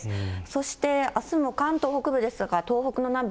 そしてあすも関東北部ですとか東北の南部、